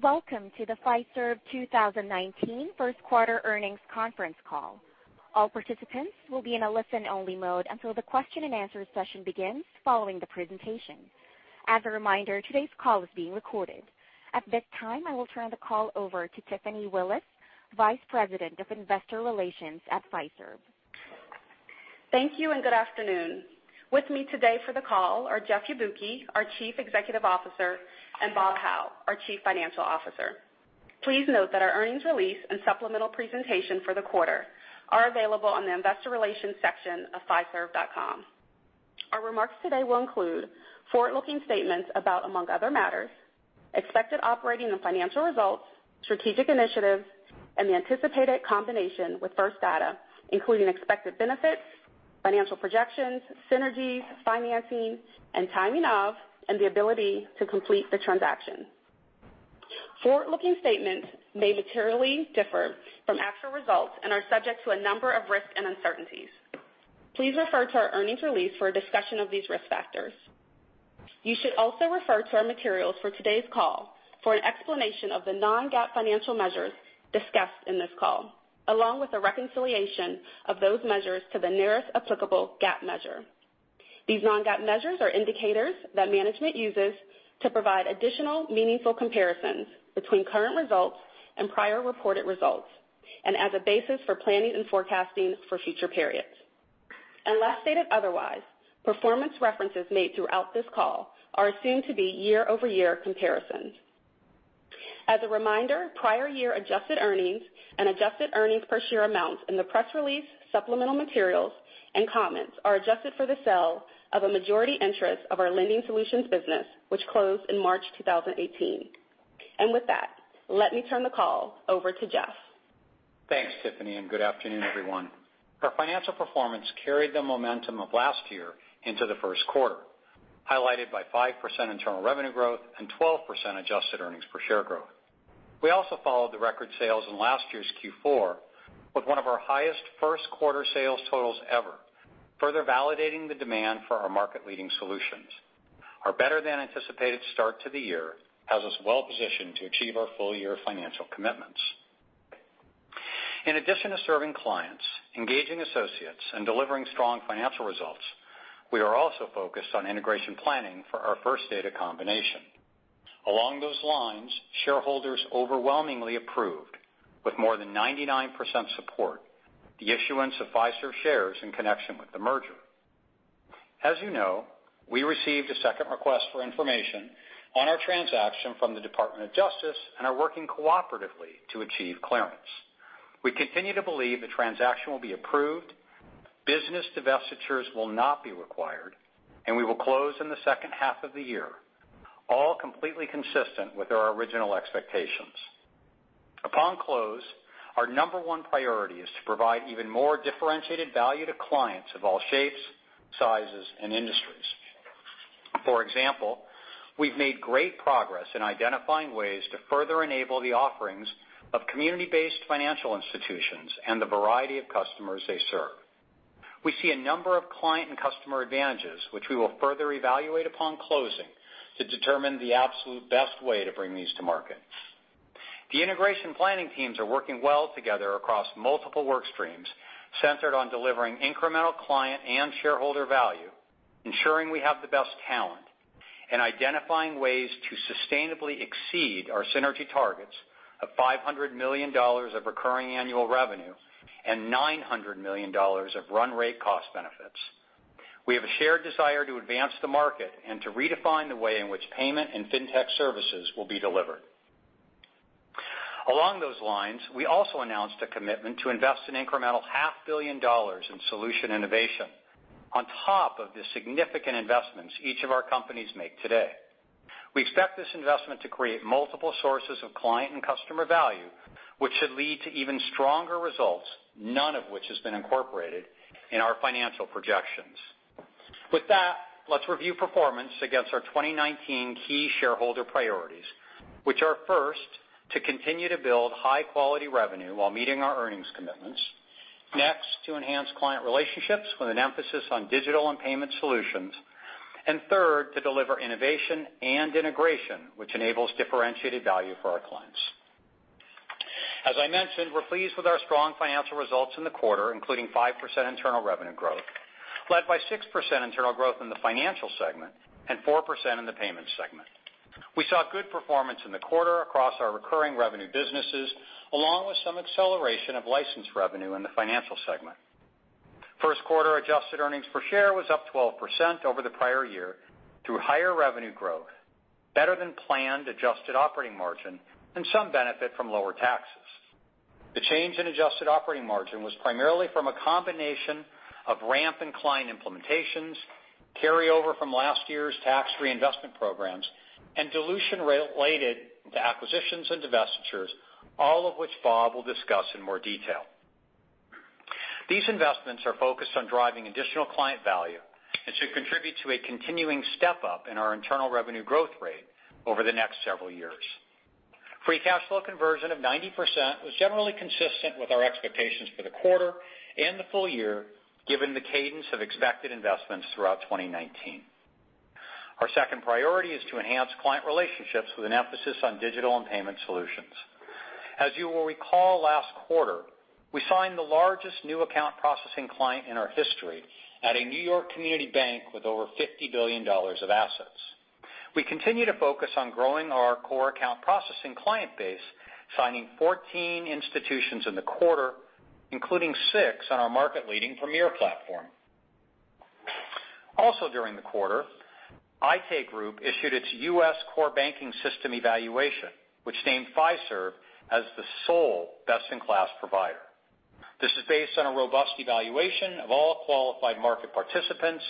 Welcome to the Fiserv 2019 first quarter earnings conference call. All participants will be in a listen-only mode until the question-and-answer session begins following the presentation. As a reminder, today's call is being recorded. At this time, I will turn the call over to Tiffany Willis, Vice President of Investor Relations at Fiserv. Thank you, and good afternoon. With me today for the call are Jeff Yabuki, our Chief Executive Officer, and Bob Hau, our Chief Financial Officer. Please note that our earnings release and supplemental presentation for the quarter are available on the Investor Relations section of fiserv.com. Our remarks today will include forward-looking statements about, among other matters, expected operating and financial results, strategic initiatives, and the anticipated combination with First Data, including expected benefits, financial projections, synergies, financing, and timing of, and the ability to complete the transaction. Forward-looking statements may materially differ from actual results and are subject to a number of risks and uncertainties. Please refer to our earnings release for a discussion of these risk factors. You should also refer to our materials for today's call for an explanation of the non-GAAP financial measures discussed in this call, along with a reconciliation of those measures to the nearest applicable GAAP measure. These non-GAAP measures are indicators that management uses to provide additional meaningful comparisons between current results and prior reported results, and as a basis for planning and forecasting for future periods. Unless stated otherwise, performance references made throughout this call are assumed to be year-over-year comparisons. As a reminder, prior year adjusted earnings and adjusted earnings per share amounts in the press release, supplemental materials, and comments are adjusted for the sale of a majority interest of our lending solutions business, which closed in March 2018. With that, let me turn the call over to Jeff. Thanks, Tiffany, and good afternoon, everyone. Our financial performance carried the momentum of last year into the first quarter, highlighted by 5% internal revenue growth and 12% adjusted earnings per share growth. We also followed the record sales in last year's Q4 with one of our highest first quarter sales totals ever, further validating the demand for our market-leading solutions. Our better-than-anticipated start to the year has us well-positioned to achieve our full-year financial commitments. In addition to serving clients, engaging associates, and delivering strong financial results, we are also focused on integration planning for our First Data combination. Along those lines, shareholders overwhelmingly approved, with more than 99% support, the issuance of Fiserv shares in connection with the merger. As you know, we received a second request for information on our transaction from the Department of Justice and are working cooperatively to achieve clearance. We continue to believe the transaction will be approved, business divestitures will not be required, and we will close in the second half of the year, all completely consistent with our original expectations. Upon close, our number one priority is to provide even more differentiated value to clients of all shapes, sizes, and industries. For example, we've made great progress in identifying ways to further enable the offerings of community-based financial institutions and the variety of customers they serve. We see a number of client and customer advantages, which we will further evaluate upon closing to determine the absolute best way to bring these to market. The integration planning teams are working well together across multiple work streams centered on delivering incremental client and shareholder value, ensuring we have the best talent, and identifying ways to sustainably exceed our synergy targets of $500 million of recurring annual revenue and $900 million of run rate cost benefits. We have a shared desire to advance the market and to redefine the way in which payment and Fintech services will be delivered. Along those lines, we also announced a commitment to invest an incremental half billion dollars in solution innovation on top of the significant investments each of our companies make today. We expect this investment to create multiple sources of client and customer value, which should lead to even stronger results, none of which has been incorporated in our financial projections. With that, let's review performance against our 2019 key shareholder priorities, which are, first, to continue to build high-quality revenue while meeting our earnings commitments. Next, to enhance client relationships with an emphasis on digital and payment solutions. Third, to deliver innovation and integration which enables differentiated value for our clients. As I mentioned, we're pleased with our strong financial results in the quarter, including 5% internal revenue growth, led by 6% internal growth in the financial segment and 4% in the payments segment. We saw good performance in the quarter across our recurring revenue businesses, along with some acceleration of license revenue in the financial segment. First quarter adjusted earnings per share was up 12% over the prior year through higher revenue growth, better than planned adjusted operating margin, and some benefit from lower taxes. The change in adjusted operating margin was primarily from a combination of ramp and client implementations, carryover from last year's tax reinvestment programs, and dilution related to acquisitions and divestitures, all of which Bob will discuss in more detail. These investments are focused on driving additional client value and should contribute to a continuing step-up in our internal revenue growth rate over the next several years. Free cash flow conversion of 90% was generally consistent with our expectations for the quarter and the full-year, given the cadence of expected investments throughout 2019. Our second priority is to enhance client relationships with an emphasis on digital and payment solutions. As you will recall last quarter, we signed the largest new account processing client in our history at a New York Community Bank with over $50 billion of assets. We continue to focus on growing our core account processing client base, signing 14 institutions in the quarter, including six on our market-leading Premier platform. During the quarter, Aite Group issued its U.S. core banking system evaluation, which named Fiserv as the sole best-in-class provider. This is based on a robust evaluation of all qualified market participants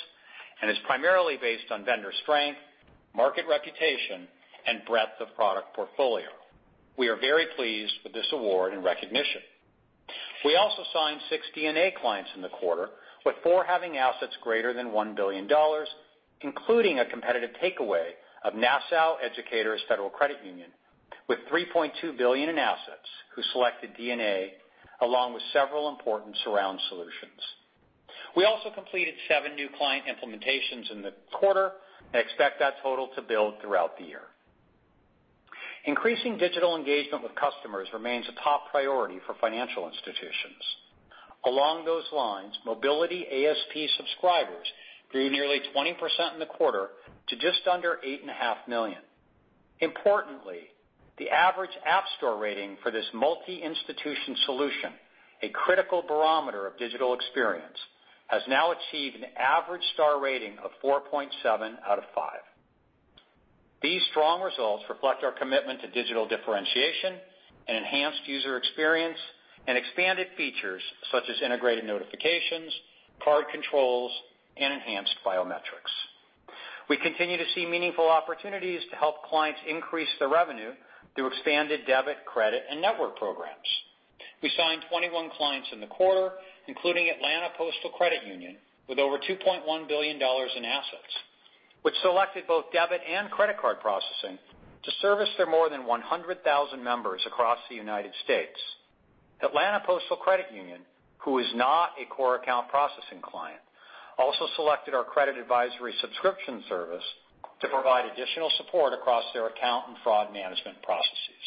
and is primarily based on vendor strength, market reputation, and breadth of product portfolio. We are very pleased with this award and recognition. We also signed six DNA clients in the quarter, with four having assets greater than $1 billion, including a competitive takeaway of Nassau Educators Federal Credit Union, with $3.2 billion in assets, who selected DNA along with several important surround solutions. We also completed seven new client implementations in the quarter and expect that total to build throughout the year. Increasing digital engagement with customers remains a top priority for financial institutions. Along those lines, Mobiliti ASP subscribers grew nearly 20% in the quarter to just under 8.5 million. Importantly, the average app store rating for this multi-institution solution, a critical barometer of digital experience, has now achieved an average star rating of 4.7 out of 5. These strong results reflect our commitment to digital differentiation and enhanced user experience and expanded features such as integrated notifications, card controls, and enhanced biometrics. We continue to see meaningful opportunities to help clients increase their revenue through expanded debit, credit, and network programs. We signed 21 clients in the quarter, including Atlanta Postal Credit Union with over $2.1 billion in assets, which selected both debit and credit card processing to service their more than 100,000 members across the U.S. Atlanta Postal Credit Union, who is not a core account processing client, also selected our credit advisory subscription service to provide additional support across their account and fraud management processes.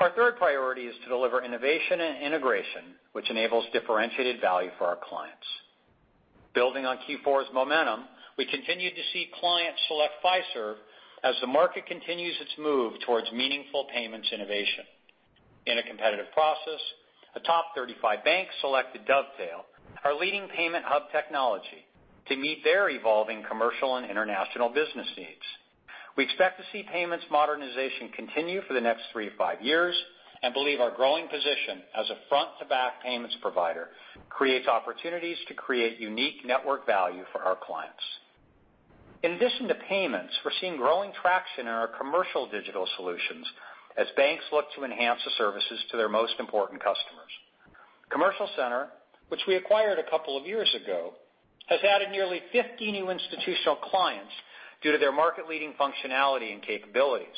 Our third priority is to deliver innovation and integration, which enables differentiated value for our clients. Building on Q4's momentum, we continued to see clients select Fiserv as the market continues its move towards meaningful payments innovation. In a competitive process, a top 35 bank selected Dovetail, our leading payment hub technology, to meet their evolving commercial and international business needs. We expect to see payments modernization continue for the next three to five years and believe our growing position as a front-to-back payments provider creates opportunities to create unique network value for our clients. In addition to payments, we're seeing growing traction in our commercial digital solutions as banks look to enhance the services to their most important customers. Commercial Center, which we acquired a couple of years ago, has added nearly 50 new institutional clients due to their market-leading functionality and capabilities.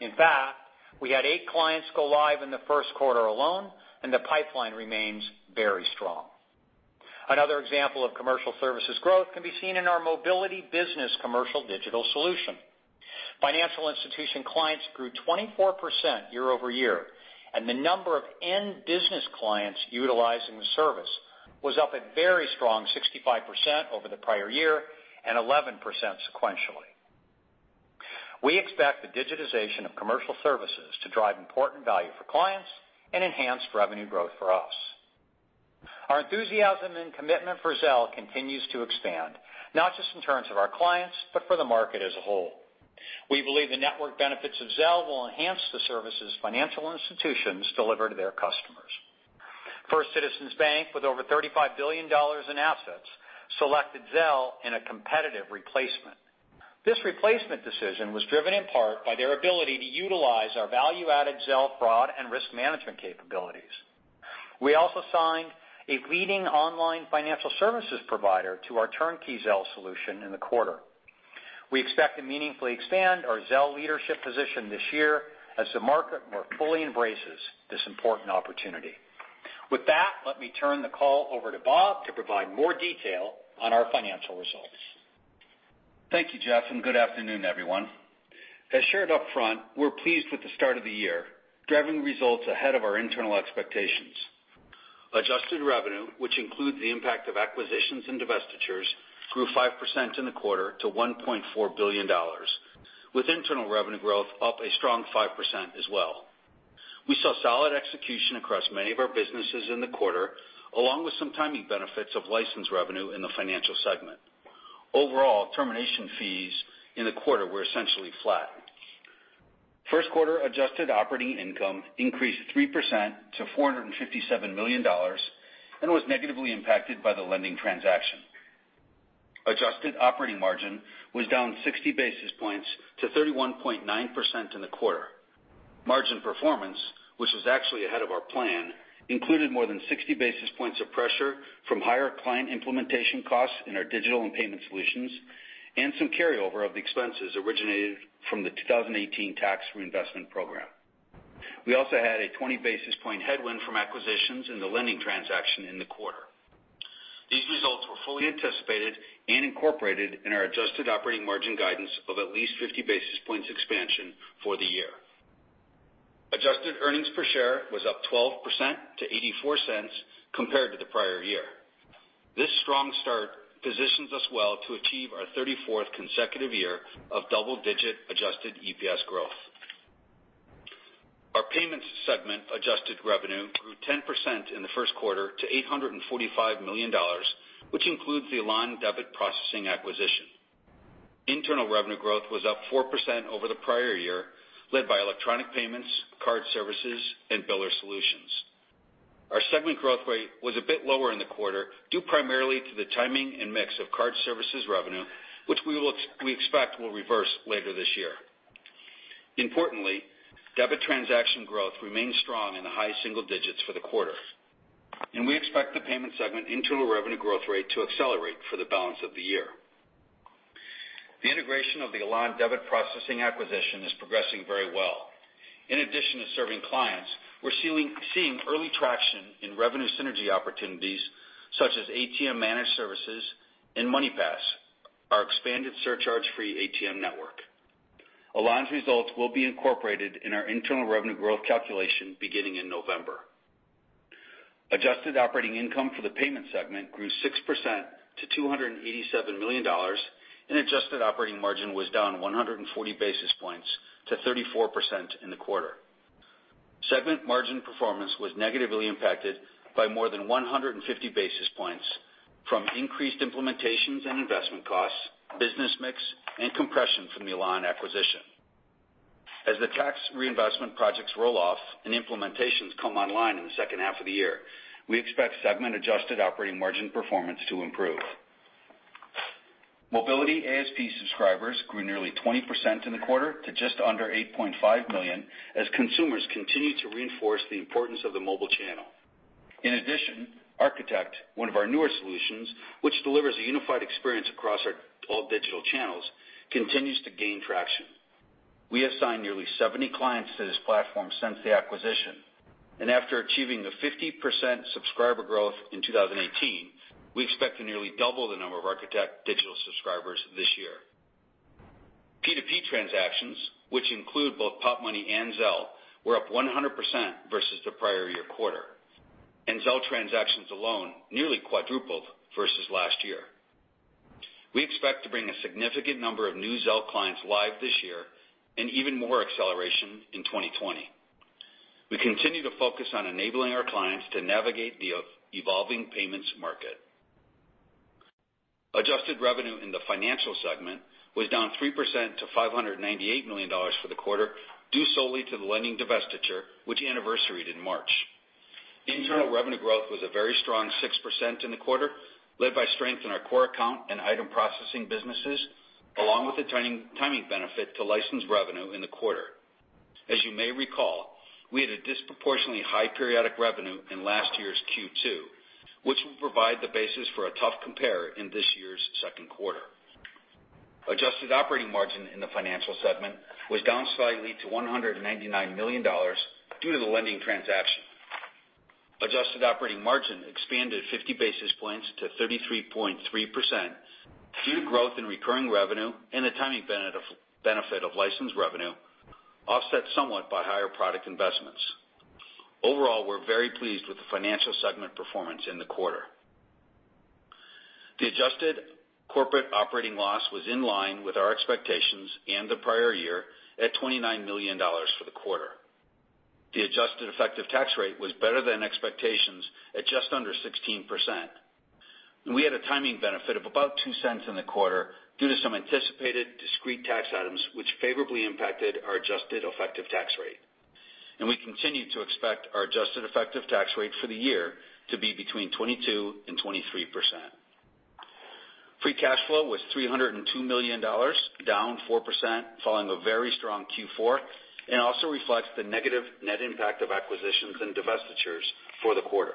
In fact, we had eight clients go live in the first quarter alone, and the pipeline remains very strong. Another example of commercial services growth can be seen in our Mobiliti Business commercial digital solution. Financial institution clients grew 24% year-over-year, and the number of end business clients utilizing the service was up a very strong 65% over the prior year and 11% sequentially. We expect the digitization of commercial services to drive important value for clients and enhance revenue growth for us. Our enthusiasm and commitment for Zelle continues to expand, not just in terms of our clients, but for the market as a whole. We believe the network benefits of Zelle will enhance the services financial institutions deliver to their customers. First Citizens Bank, with over $35 billion in assets, selected Zelle in a competitive replacement. This replacement decision was driven in part by their ability to utilize our value-added Zelle fraud and risk management capabilities. We also signed a leading online financial services provider to our turnkey Zelle solution in the quarter. We expect to meaningfully expand our Zelle leadership position this year as the market more fully embraces this important opportunity. With that, let me turn the call over to Bob to provide more detail on our financial results. Thank you, Jeff, good afternoon, everyone. As shared upfront, we're pleased with the start of the year, driving results ahead of our internal expectations. Adjusted revenue, which includes the impact of acquisitions and divestitures, grew 5% in the quarter to $1.4 billion, with internal revenue growth up a strong 5% as well. We saw solid execution across many of our businesses in the quarter, along with some timing benefits of license revenue in the financial segment. Overall, termination fees in the quarter were essentially flat. First quarter adjusted operating income increased 3% to $457 million and was negatively impacted by the lending transaction. Adjusted operating margin was down 60 basis points to 31.9% in the quarter. Margin performance, which was actually ahead of our plan, included more than 60 basis points of pressure from higher client implementation costs in our digital and payment solutions, and some carryover of the expenses originated from the 2018 tax reinvestment program. We also had a 20 basis point headwind from acquisitions in the lending transaction in the quarter. These results were fully anticipated and incorporated in our adjusted operating margin guidance of at least 50 basis points expansion for the year. Adjusted earnings per share was up 12% to $0.84 compared to the prior year. This strong start positions us well to achieve our 34th consecutive year of double-digit adjusted EPS growth. Our payments segment adjusted revenue grew 10% in the first quarter to $845 million, which includes the Elan Debit Processing acquisition. Internal revenue growth was up 4% over the prior year, led by electronic payments, card services, and biller solutions. Our segment growth rate was a bit lower in the quarter, due primarily to the timing and mix of card services revenue, which we expect will reverse later this year. Importantly, debit transaction growth remains strong in the high single digits for the quarter, and we expect the payment segment internal revenue growth rate to accelerate for the balance of the year. The integration of the Elan Debit Processing acquisition is progressing very well. In addition to serving clients, we're seeing early traction in revenue synergy opportunities, such as ATM managed services and MoneyPass, our expanded surcharge-free ATM network. Elan's results will be incorporated in our internal revenue growth calculation beginning in November. Adjusted operating income for the payments segment grew 6% to $287 million, adjusted operating margin was down 140 basis points to 34% in the quarter. Segment margin performance was negatively impacted by more than 150 basis points from increased implementations and investment costs, business mix, and compression from the Elan acquisition. As the tax reinvestment projects roll off and implementations come online in the second half of the year, we expect segment-adjusted operating margin performance to improve. Mobiliti ASP subscribers grew nearly 20% in the quarter to just under 8.5 million, as consumers continue to reinforce the importance of the mobile channel. In addition, Architect, one of our newer solutions, which delivers a unified experience across all digital channels, continues to gain traction. We assigned nearly 70 clients to this platform since the acquisition. After achieving the 50% subscriber growth in 2018, we expect to nearly double the number of Architect digital subscribers this year. P2P transactions, which include both Popmoney and Zelle, were up 100% versus the prior year quarter. Zelle transactions alone nearly quadrupled versus last year. We expect to bring a significant number of new Zelle clients live this year, and even more acceleration in 2020. We continue to focus on enabling our clients to navigate the evolving payments market. Adjusted revenue in the financial segment was down 3% to $598 million for the quarter due solely to the lending divestiture, which anniversaried in March. Internal revenue growth was a very strong 6% in the quarter, led by strength in our core account and item processing businesses, along with the timing benefit to license revenue in the quarter. As you may recall, we had a disproportionately high periodic revenue in last year's Q2, which will provide the basis for a tough compare in this year's second quarter. Adjusted operating margin in the financial segment was down slightly to $199 million due to the lending transaction. Adjusted operating margin expanded 50 basis points to 33.3% due to growth in recurring revenue and the timing benefit of license revenue offset somewhat by higher product investments. Overall, we're very pleased with the financial segment performance in the quarter. The adjusted corporate operating loss was in line with our expectations and the prior year at $29 million for the quarter. The adjusted effective tax rate was better than expectations, at just under 16%. We had a timing benefit of about $0.02 in the quarter due to some anticipated discrete tax items, which favorably impacted our adjusted effective tax rate. We continue to expect our adjusted effective tax rate for the year to be between 22%-23%. Free cash flow was $302 million, down 4%, following a very strong Q4, and also reflects the negative net impact of acquisitions and divestitures for the quarter.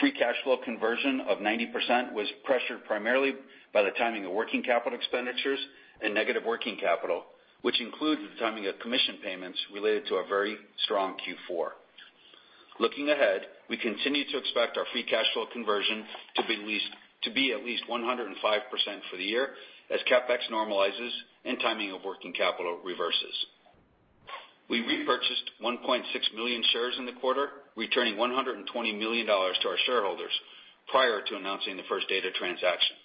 Free cash flow conversion of 90% was pressured primarily by the timing of working capital expenditures and negative working capital, which includes the timing of commission payments related to our very strong Q4. Looking ahead, we continue to expect our free cash flow conversion to be at least 105% for the year as CapEx normalizes and timing of working capital reverses. We repurchased 1.6 million shares in the quarter, returning $120 million to our shareholders prior to announcing the First Data transaction.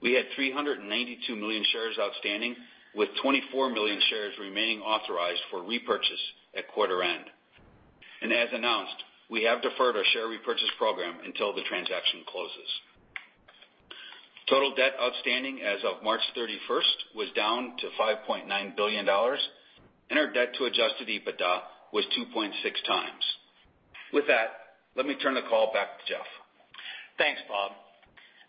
We had 392 million shares outstanding, with 24 million shares remaining authorized for repurchase at quarter end. As announced, we have deferred our share repurchase program until the transaction closes. Total debt outstanding as of March 31st was down to $5.9 billion, and our debt to adjusted EBITDA was 2.6x. With that, let me turn the call back to Jeff. Thanks, Bob.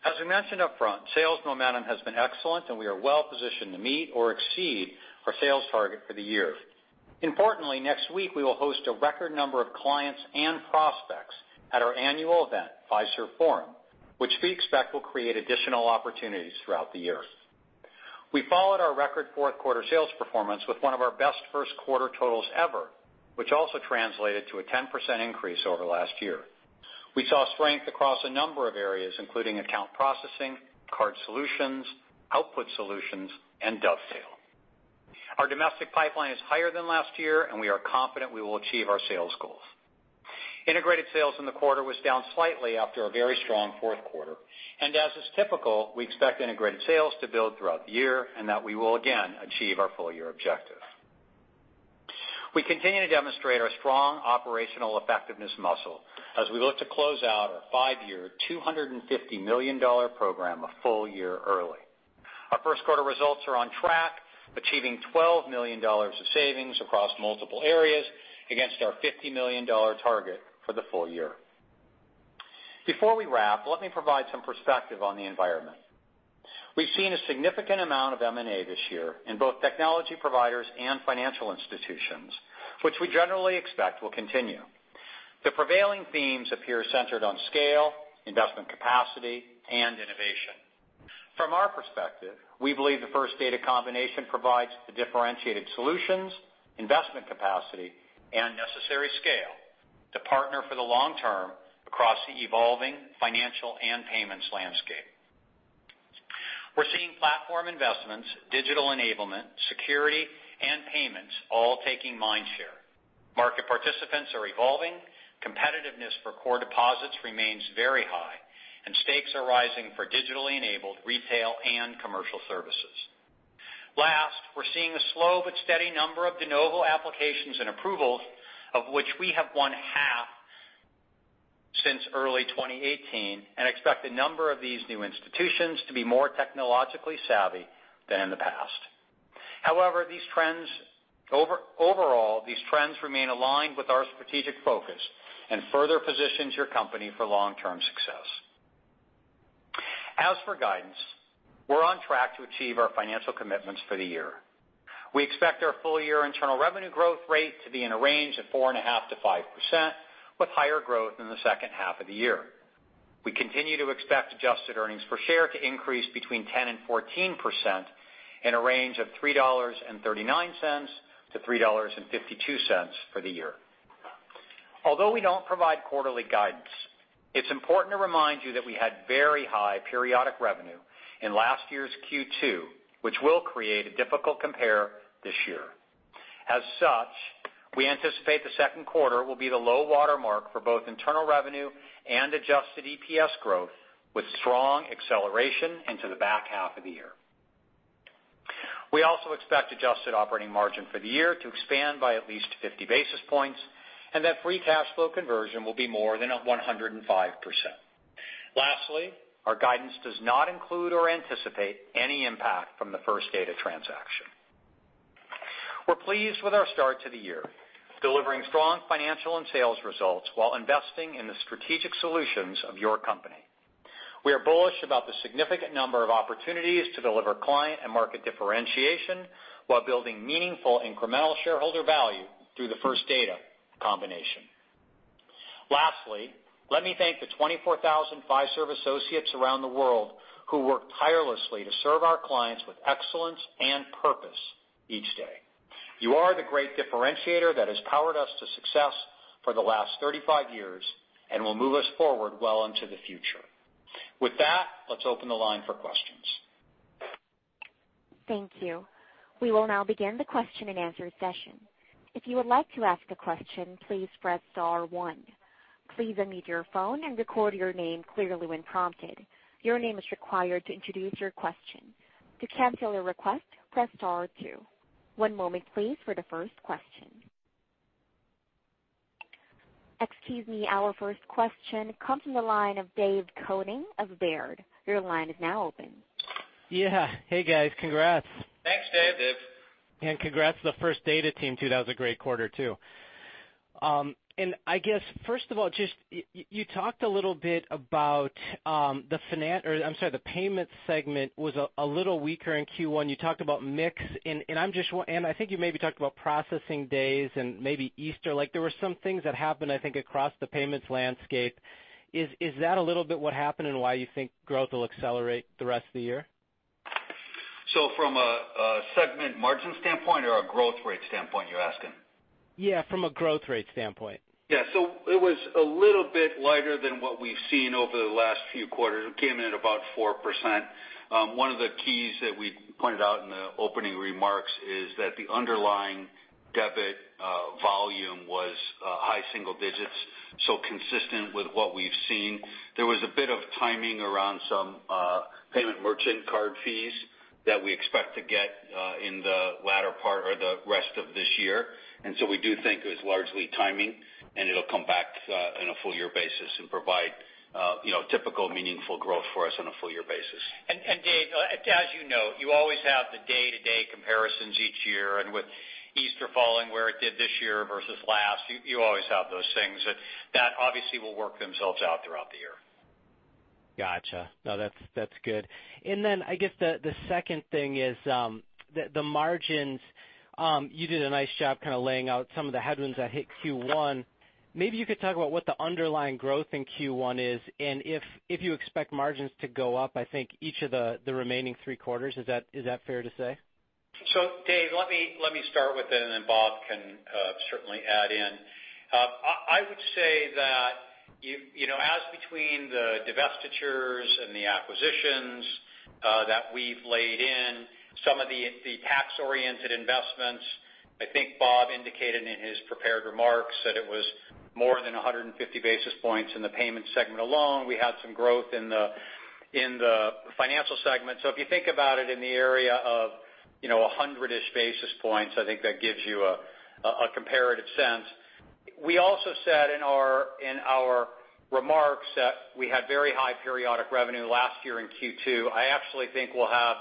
As I mentioned upfront, sales momentum has been excellent, and we are well-positioned to meet or exceed our sales target for the year. Importantly, next week, we will host a record number of clients and prospects at our annual event, Fiserv Forum, which we expect will create additional opportunities throughout the year. We followed our record fourth quarter sales performance with one of our best first quarter totals ever, which also translated to a 10% increase over last year. We saw strength across a number of areas, including account processing, card solutions, output solutions, and Dovetail. Our domestic pipeline is higher than last year, and we are confident we will achieve our sales goals. Integrated sales in the quarter was down slightly after a very strong fourth quarter, and as is typical, we expect integrated sales to build throughout the year, and that we will again achieve our full-year objective. We continue to demonstrate our strong operational effectiveness muscle as we look to close out our five-year, $250 million program a full-year early. Our first quarter results are on track, achieving $12 million of savings across multiple areas against our $50 million target for the full-year. Before we wrap, let me provide some perspective on the environment. We've seen a significant amount of M&A this year in both technology providers and financial institutions, which we generally expect will continue. The prevailing themes appear centered on scale, investment capacity, and innovation. From our perspective, we believe the First Data combination provides the differentiated solutions, investment capacity, and necessary scale to partner for the long term across the evolving financial and payments landscape. We're seeing platform investments, digital enablement, security, and payments all taking mind share. Market participants are evolving, competitiveness for core deposits remains very high, and stakes are rising for digitally enabled retail and commercial services. Last, we're seeing a slow but steady number of de novo applications and approvals, of which we have won half since early 2018 and expect the number of these new institutions to be more technologically savvy than in the past. However, overall, these trends remain aligned with our strategic focus and further positions your company for long-term success. As for guidance, we're on track to achieve our financial commitments for the year. We expect our full-year internal revenue growth rate to be in a range of 4.5%-5%, with higher growth in the second half of the year. We continue to expect adjusted earnings per share to increase between 10% and 14% in a range of $3.39-$3.52 for the year. Although we don't provide quarterly guidance, it's important to remind you that we had very high periodic revenue in last year's Q2, which will create a difficult compare this year. As such, we anticipate the second quarter will be the low water mark for both internal revenue and adjusted EPS growth, with strong acceleration into the back half of the year. We also expect adjusted operating margin for the year to expand by at least 50 basis points, and that free cash flow conversion will be more than 105%. Lastly, our guidance does not include or anticipate any impact from the First Data transaction. We're pleased with our start to the year, delivering strong financial and sales results while investing in the strategic solutions of your company. We are bullish about the significant number of opportunities to deliver client and market differentiation while building meaningful incremental shareholder value through the First Data combination. Lastly, let me thank the 24,000 Fiserv associates around the world who work tirelessly to serve our clients with excellence and purpose each day. You are the great differentiator that has powered us to success for the last 35 years and will move us forward well into the future. With that, let's open the line for questions. Thank you. We will now begin the question-and-answer session. If you would like to ask a question, please press star one. Please unmute your phone and record your name clearly when prompted. Your name is required to introduce your question. To cancel a request, press star two. One moment, please, for the first question. Excuse me. Our first question comes from the line of Dave Koning of Baird. Your line is now open. Yeah. Hey, guys. Congrats. Thanks, Dave. Thanks, Dave. Congrats to the First Data team, too. That was a great quarter, too. I guess, first of all, you talked a little bit about the payments segment was a little weaker in Q1. You talked about mix, and I think you maybe talked about processing days and maybe Easter. There were some things that happened, I think, across the payments landscape. Is that a little bit what happened and why you think growth will accelerate the rest of the year? From a segment margin standpoint or a growth rate standpoint, you're asking? Yeah, from a growth rate standpoint. Yeah, it was a little bit lighter than what we've seen over the last few quarters. It came in at about 4%. One of the keys that we pointed out in the opening remarks is that the underlying debit volume was high single digits, so consistent with what we've seen. There was a bit of timing around some payment merchant card fees that we expect to get in the latter part or the rest of this year. So we do think it was largely timing, and it'll come back in a full-year basis and provide typical meaningful growth for us on a full-year basis. Dave, as you know, you always have the day-to-day comparisons each year, and with Easter falling where it did this year versus last, you always have those things. That obviously will work themselves out throughout the year. Got you. No, that's good. I guess the second thing is the margins. You did a nice job laying out some of the headwinds that hit Q1. Maybe you could talk about what the underlying growth in Q1 is, and if you expect margins to go up, I think, each of the remaining three quarters. Is that fair to say? Dave, let me start with it, and then Bob can certainly add in. I would say that as between the divestitures and the acquisitions that we've laid in some of the tax-oriented investments, I think Bob indicated in his prepared remarks that it was more than 150 basis points in the payment segment alone. We had some growth in the financial segment. If you think about it in the area of 100-ish basis points, I think that gives you a comparative sense. We also said in our remarks that we had very high periodic revenue last year in Q2. I actually think we'll have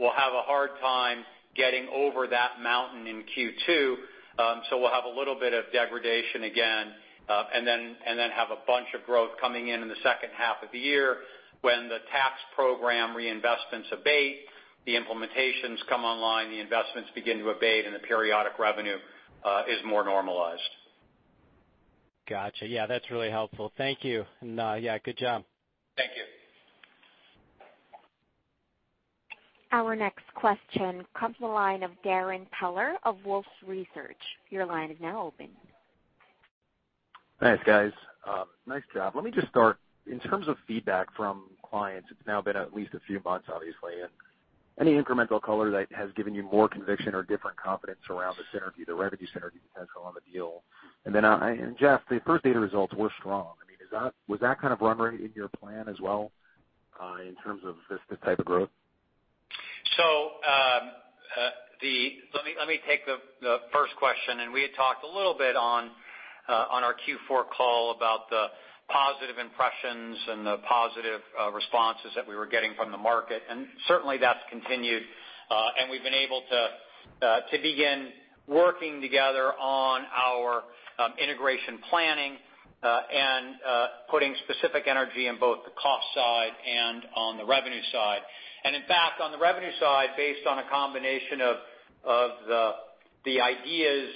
a hard time getting over that mountain in Q2. We'll have a little bit of degradation again, and then have a bunch of growth coming in in the second half of the year when the tax program reinvestments abate, the implementations come online, the investments begin to abate, and the periodic revenue is more normalized. Got you, that's really helpful. Thank you, good job. Thank you. Our next question comes from the line of Darrin Peller of Wolfe Research. Your line is now open. Thanks, guys. Nice job, let me just start. In terms of feedback from clients, it's now been at least a few months, obviously. Any incremental color that has given you more conviction or different confidence around the synergy, the revenue synergy potential on the deal? Jeff, the First Data results were strong. Was that kind of run rate in your plan as well in terms of this type of growth? Let me take the first question. We had talked a little bit on our Q4 call about the positive impressions and the positive responses that we were getting from the market. Certainly that's continued. We've been able to begin working together on our integration planning and putting specific energy in both the cost side and on the revenue side. In fact, on the revenue side, based on a combination of the ideas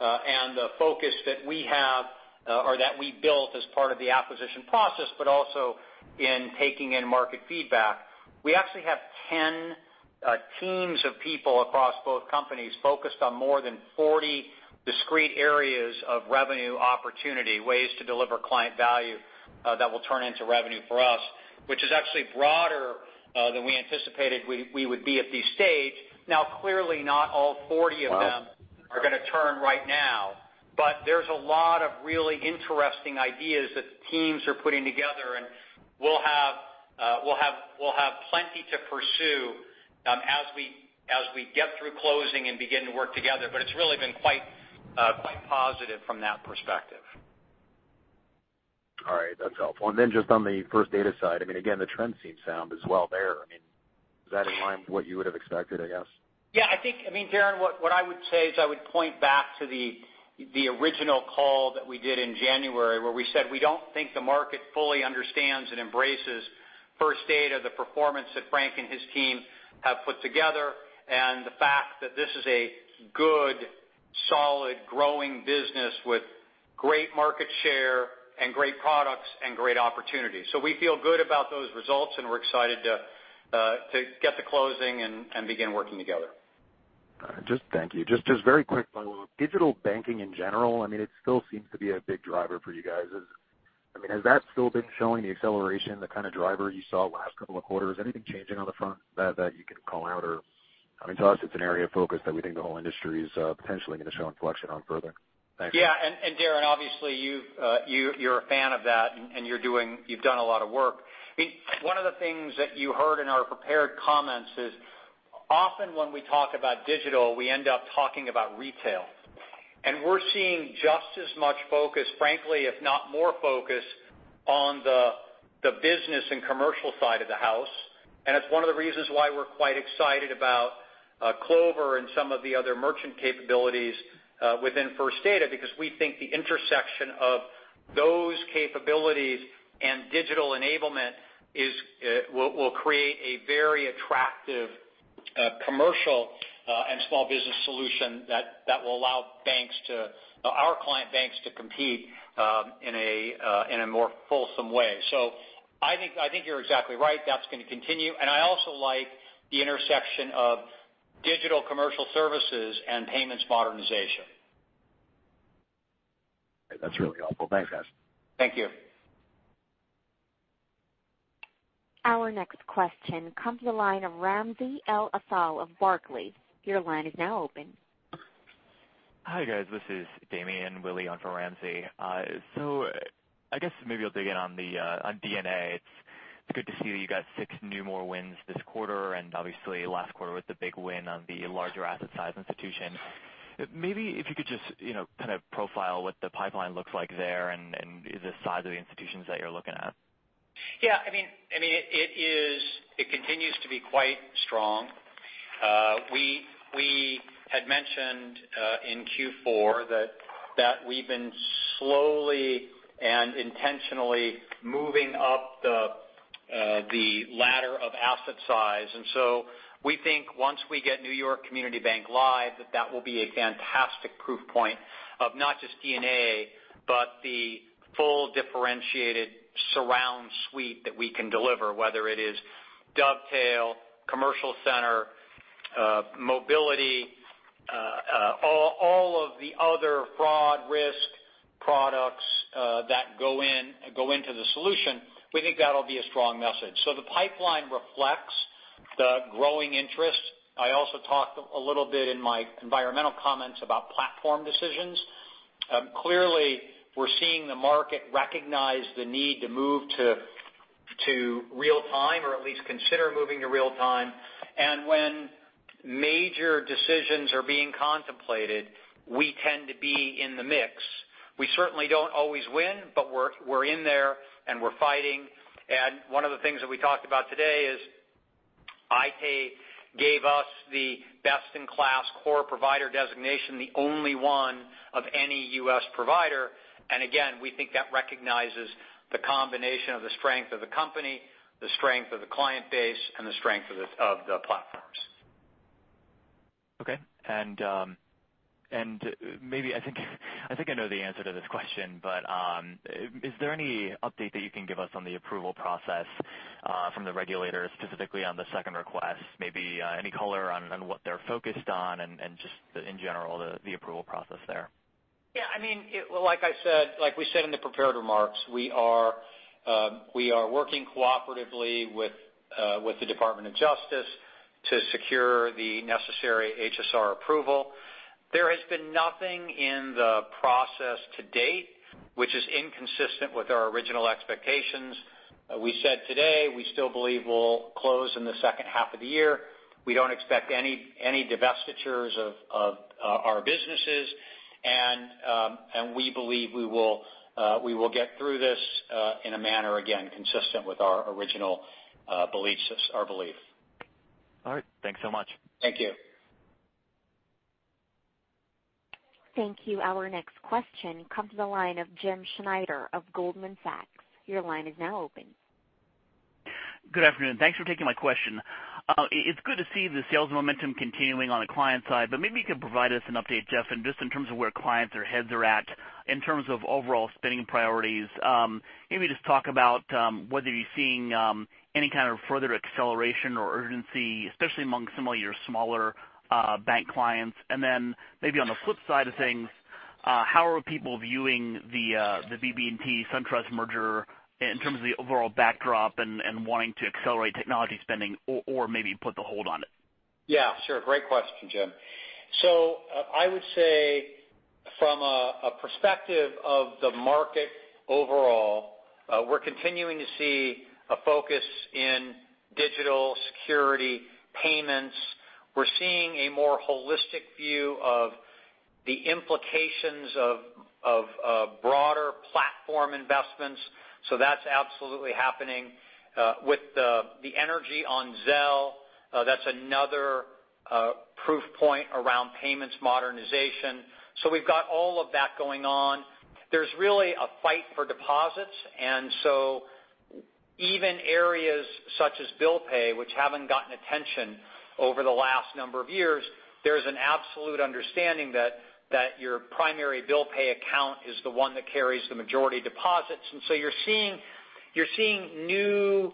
and the focus that we have or that we built as part of the acquisition process, but also in taking in market feedback. We actually have 10 teams of people across both companies focused on more than 40 discrete areas of revenue opportunity, ways to deliver client value that will turn into revenue for us, which is actually broader than we anticipated we would be at this stage. Clearly, not all 40 of them are going to turn right now. There's a lot of really interesting ideas that the teams are putting together, and we'll have plenty to pursue as we get through closing and begin to work together. It's really been quite positive from that perspective. All right, that's helpful. Just on the First Data side, again, the trend seems sound as well there. Is that in line with what you would've expected, I guess? Yeah, I think Darrin, what I would say is I would point back to the original call that we did in January where we said we don't think the market fully understands and embraces First Data, the performance that Frank and his team have put together, and the fact that this is a good, solid, growing business with great market share and great products and great opportunities. We feel good about those results, and we're excited to get to closing and begin working together. All right, thank you. Just very quick by the way, digital banking in general, it still seems to be a big driver for you guys. Has that still been showing the acceleration, the kind of driver you saw last couple of quarters? Anything changing on the front that you can call out? To us, it's an area of focus that we think the whole industry is potentially going to show inflection on further. Thanks. Darrin, obviously you're a fan of that and you've done a lot of work. One of the things that you heard in our prepared comments is often when we talk about digital, we end up talking about retail. We're seeing just as much focus, frankly if not more focus, on the business and commercial side of the house. It's one of the reasons why we're quite excited about Clover and some of the other merchant capabilities within First Data because we think the intersection of those capabilities and digital enablement will create a very attractive commercial and small business solution that will allow our client banks to compete in a more fulsome way. I think you're exactly right. That's going to continue. I also like the intersection of digital commercial services and payments modernization. That's really helpful. Thanks, guys. Thank you. Our next question comes from the line of Ramsey El-Assal of Barclays. Your line is now open. Hi, guys. This is Damian Wille on for Ramsey. I guess maybe I'll dig in on DNA. It's good to see that you got six new more wins this quarter, and obviously last quarter was the big win on the larger asset size institution. Maybe if you could just kind of profile what the pipeline looks like there and the size of the institutions that you're looking at? Yeah, it continues to be quite strong. We had mentioned in Q4 that we've been slowly and intentionally moving up the ladder of asset size. We think once we get New York Community Bank live, that that will be a fantastic proof point of not just DNA, but the full differentiated surround suite that we can deliver, whether it is Dovetail, Commercial Center, Mobiliti, all of the other fraud risk products that go into the solution. We think that'll be a strong message. The pipeline reflects the growing interest. I also talked a little bit in my environmental comments about platform decisions. Clearly, we're seeing the market recognize the need to move to real time or at least consider moving to real time. When major decisions are being contemplated, we tend to be in the mix. We certainly don't always win, but we're in there and we're fighting. One of the things that we talked about today is Aite gave us the best-in-class core provider designation, the only one of any U.S. provider. Again, we think that recognizes the combination of the strength of the company, the strength of the client base, and the strength of the platforms. Okay. Maybe, I think I know the answer to this question, but is there any update that you can give us on the approval process from the regulators, specifically on the second request? Maybe any color on what they're focused on and just in general, the approval process there? Yeah. Like we said in the prepared remarks, we are working cooperatively with the Department of Justice to secure the necessary HSR approval. There has been nothing in the process to date which is inconsistent with our original expectations. We said today we still believe we'll close in the second half of the year. We don't expect any divestitures of our businesses. We believe we will get through this in a manner, again, consistent with our original beliefs. All right, thanks so much. Thank you. Thank you. Our next question comes to the line of Jim Schneider of Goldman Sachs. Your line is now open. Good afternoon, thanks for taking my question. It's good to see the sales momentum continuing on the client side, but maybe you could provide us an update, Jeff, just in terms of where clients' heads are at in terms of overall spending priorities. Maybe just talk about whether you're seeing any kind of further acceleration or urgency, especially among some of your smaller bank clients. How are people viewing the BB&T SunTrust merger in terms of the overall backdrop and wanting to accelerate technology spending or maybe put the hold on it? Yeah, sure. Great question, Jim. I would say from a perspective of the market overall, we're continuing to see a focus in digital security payments. We're seeing a more holistic view of the implications of broader platform investments. That's absolutely happening. With the energy on Zelle, that's another proof point around payments modernization. We've got all of that going on. There's really a fight for deposits. Even areas such as bill pay, which haven't gotten attention over the last number of years, there's an absolute understanding that your primary bill pay account is the one that carries the majority deposits. You're seeing new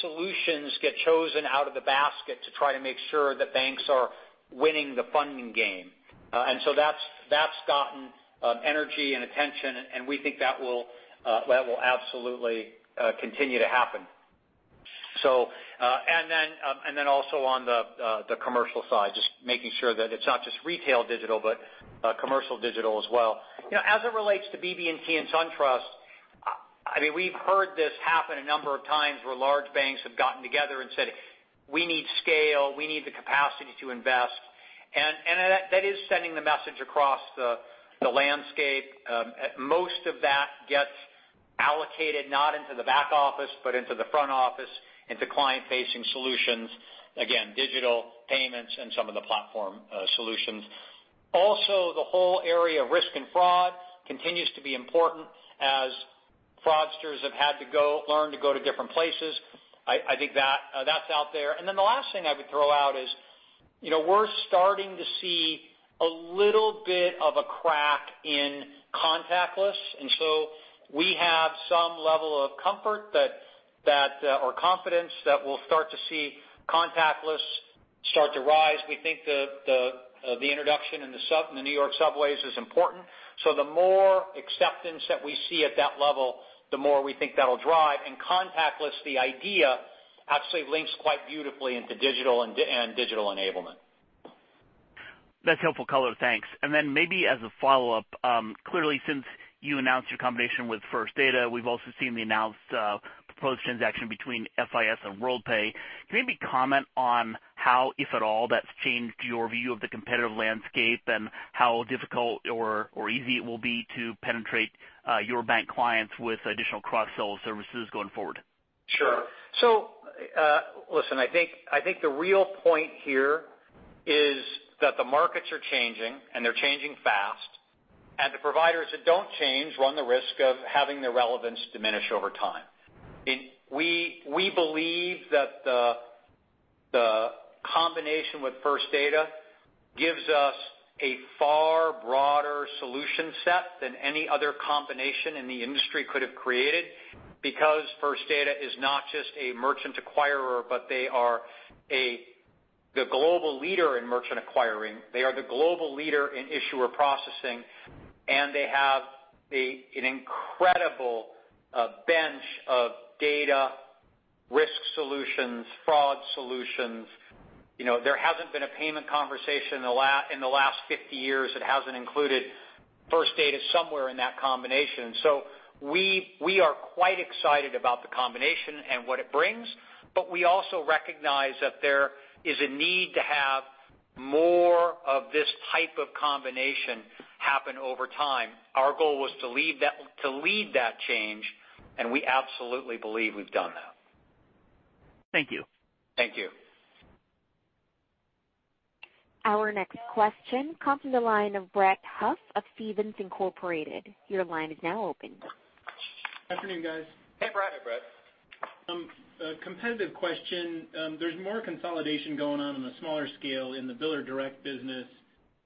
solutions get chosen out of the basket to try to make sure that banks are winning the funding game. That's gotten energy and attention, and we think that will absolutely continue to happen. Also on the commercial side, just making sure that it's not just retail digital, but commercial digital as well. As it relates to BB&T and SunTrust, we've heard this happen a number of times where large banks have gotten together and said, "We need scale. We need the capacity to invest." That is sending the message across the landscape. Most of that gets allocated not into the back office, but into the front office, into client-facing solutions. Again, digital payments and some of the platform solutions. Also, the whole area of risk and fraud continues to be important as fraudsters have had to learn to go to different places. I think that's out there. The last thing I would throw out is we're starting to see a little bit of a crack in contactless. We have some level of comfort or confidence that we'll start to see contactless start to rise. We think the introduction in the New York subways is important. The more acceptance that we see at that level, the more we think that'll drive. Contactless, the idea, absolutely links quite beautifully into digital and digital enablement. That's helpful color, thanks. Maybe as a follow-up, clearly since you announced your combination with First Data, we've also seen the announced proposed transaction between FIS and Worldpay. Can you maybe comment on how, if at all, that's changed your view of the competitive landscape and how difficult or easy it will be to penetrate your bank clients with additional cross-sell services going forward? Sure. Listen, I think the real point here is that the markets are changing, they're changing fast. The providers that don't change run the risk of having their relevance diminish over time. We believe that the combination with First Data gives us a far broader solution set than any other combination in the industry could have created, because First Data is not just a merchant acquirer, but they are the global leader in merchant acquiring. They are the global leader in issuer processing, and they have an incredible bench of data, risk solutions, fraud solutions. There hasn't been a payment conversation in the last 50 years that hasn't included First Data somewhere in that combination. We are quite excited about the combination and what it brings, but we also recognize that there is a need to have more of this type of combination happen over time. Our goal was to lead that change, and we absolutely believe we've done that. Thank you. Thank you. Our next question comes from the line of Brett Huff of Stephens Inc. Your line is now open. Good afternoon, guys. Hey, Brett. Hey, Brett. A competitive question. There's more consolidation going on on the smaller scale in the biller direct business.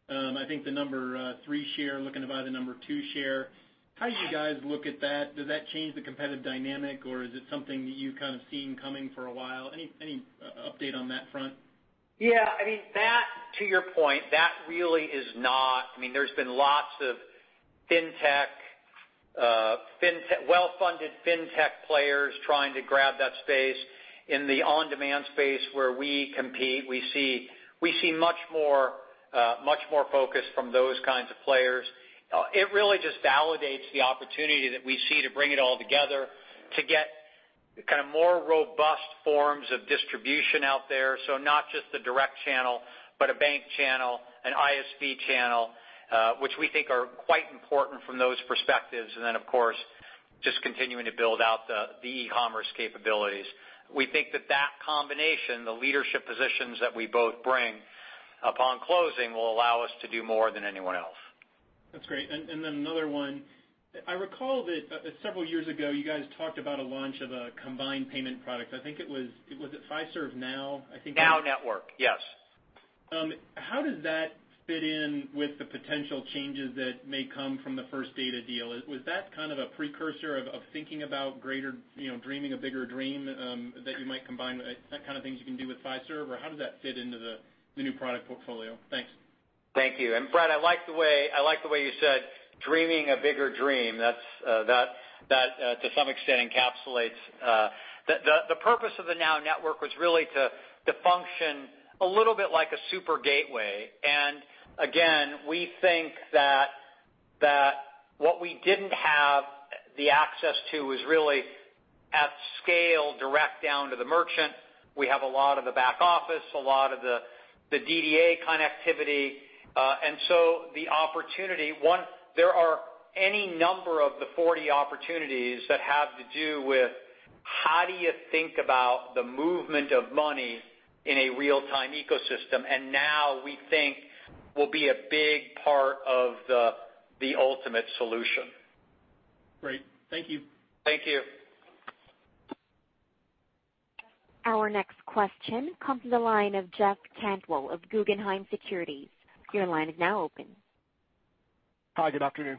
I think the number 3 share looking to buy the number 2 share. How do you guys look at that? Does that change the competitive dynamic, or is it something that you've kind of seen coming for a while? Any update on that front? Yeah. To your point, there's been lots of well-funded Fintech players trying to grab that space in the on-demand space where we compete. We see much more focus from those kinds of players. It really just validates the opportunity that we see to bring it all together to get more robust forms of distribution out there. Not just the direct channel, but a bank channel, an ISV channel, which we think are quite important from those perspectives. Then, of course, just continuing to build out the e-commerce capabilities. We think that that combination, the leadership positions that we both bring upon closing will allow us to do more than anyone else. That's great. Then another one, I recall that several years ago you guys talked about a launch of a combined payment product. I think it was it Fiserv NOW? NOW Network. Yes. How does that fit in with the potential changes that may come from the First Data deal? Was that kind of a precursor of thinking about dreaming a bigger dream that you might combine the kind of things you can do with Fiserv, or how does that fit into the new product portfolio? Thanks. Thank you. Brett, I like the way you said dreaming a bigger dream. That to some extent encapsulates. The purpose of the NOW Network was really to function a little bit like a super gateway. Again, we think that what we didn't have the access to is really at scale direct down to the merchant. We have a lot of the back office, a lot of the DDA connectivity. So the opportunity, one, there are any number of the 40 opportunities that have to do with how do you think about the movement of money in a real-time ecosystem. Now, we think will be a big part of the ultimate solution. Great, thank you. Thank you. Our next question comes from the line of Jeff Cantwell of Guggenheim Securities. Your line is now open. Hi, good afternoon.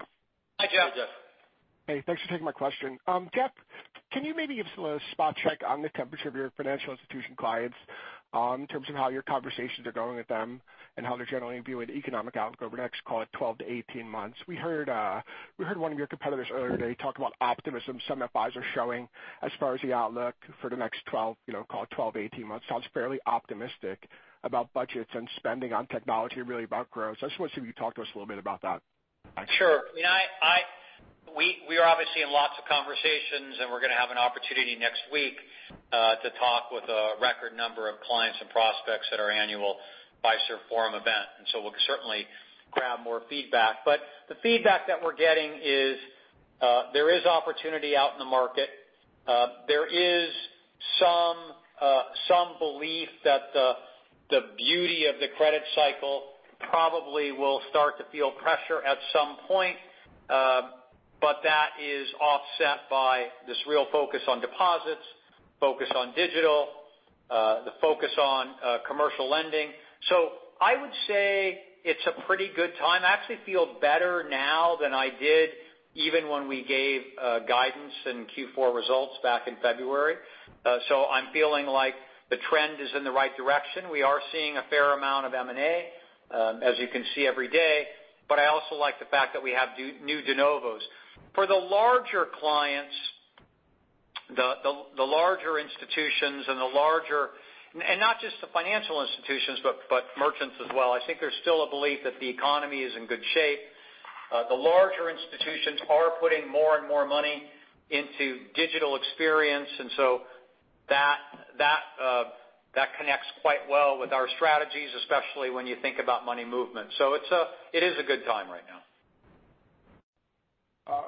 Hi, Jeff. Hi, Jeff. Hey, thanks for taking my question. Jeff, can you maybe give us a little spot check on the temperature of your financial institution clients in terms of how your conversations are going with them and how they're generally viewing economic outlook over the next, call it 12-18 months? We heard one of your competitors earlier today talk about optimism, some FIs are showing as far as the outlook for the next call it 12, 18 months. Sounds fairly optimistic about budgets and spending on technology, really about growth. I just want to see if you can talk to us a little bit about that? Sure. We are obviously in lots of conversations, and we're going to have an opportunity next week to talk with a record number of clients and prospects at our annual Fiserv Forum event. We'll certainly grab more feedback. The feedback that we're getting is there is opportunity out in the market. There is some belief that the beauty of the credit cycle probably will start to feel pressure at some point. That is offset by this real focus on deposits, focus on digital, the focus on commercial lending. I would say it's a pretty good time, I actually feel better now than I did even when we gave guidance in Q4 results back in February. I'm feeling like the trend is in the right direction. We are seeing a fair amount of M&A, as you can see every day. I also like the fact that we have new de novos. The larger institutions and not just the financial institutions, but merchants as well. I think there's still a belief that the economy is in good shape. The larger institutions are putting more and more money into digital experience, that connects quite well with our strategies, especially when you think about money movement. It is a good time right now.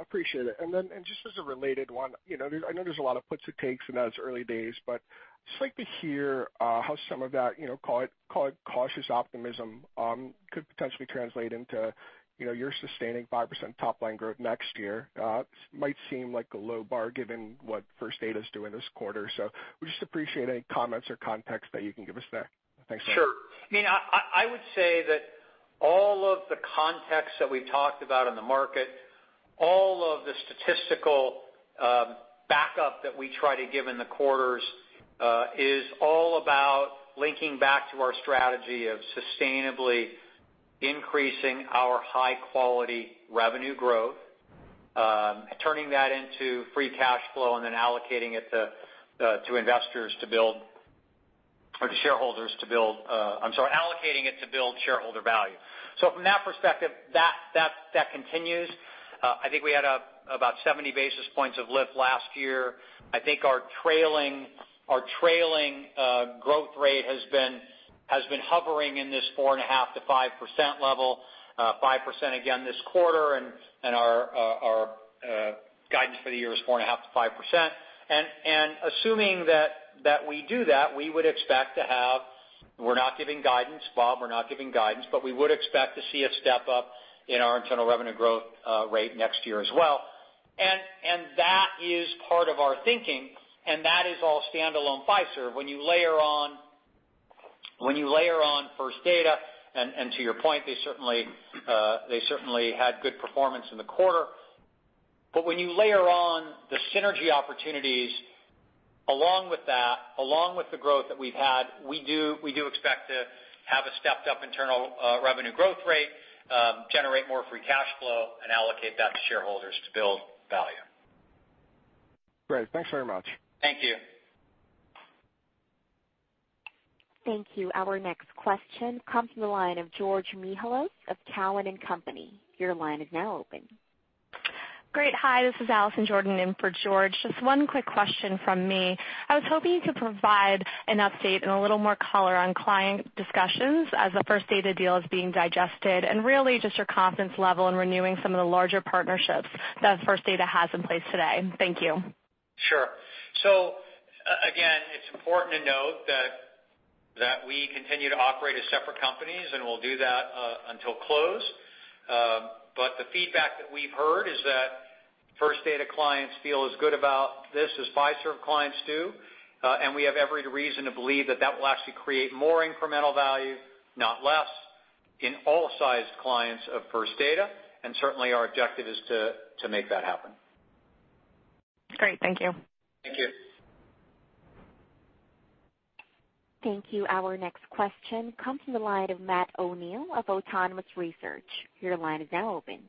Appreciate it. Just as a related one, I know there's a lot of puts and takes, and that it's early days, but just like to hear how some of that, call it cautious optimism, could potentially translate into your sustaining 5% top-line growth next year. Might seem like a low bar given what First Data's doing this quarter. We just appreciate any comments or context that you can give us there. Thanks. Sure. I would say that all of the context that we talked about in the market, all of the statistical backup that we try to give in the quarters, is all about linking back to our strategy of sustainably increasing our high-quality revenue growth, turning that into free cash flow and then allocating it to investors to build or to shareholders to build shareholder value. From that perspective, that continues. I think we had about 70 basis points of lift last year. I think our trailing growth rate has been hovering in this 4.5%-5% level. 5% again this quarter and our guidance for the year is 4.5%-5%. Assuming that we do that, we would expect to see a step up in our internal revenue growth rate next year as well. That is part of our thinking, and that is all standalone Fiserv. When you layer on First Data, and to your point, they certainly had good performance in the quarter. When you layer on the synergy opportunities along with that, along with the growth that we've had, we do expect to have a stepped-up internal revenue growth rate, generate more free cash flow, and allocate that to shareholders to build value. Great, thanks very much. Thank you. Thank you. Our next question comes from the line of George Mihalos of Cowen and Company. Your line is now open. Great. Hi, this is Allison Jordan in for George. Just one quick question from me. I was hoping you could provide an update and a little more color on client discussions as the First Data deal is being digested, and really just your confidence level in renewing some of the larger partnerships that First Data has in place today? Thank you. Sure. Again, it's important to note that we continue to operate as separate companies, and we'll do that until close. The feedback that we've heard is that First Data clients feel as good about this as Fiserv clients do. We have every reason to believe that that will actually create more incremental value, not less, in all sized clients of First Data. Certainly our objective is to make that happen. Great, thank you. Thank you. Thank you. Our next question comes from the line of Matt O'Neill of Autonomous Research. Your line is now open.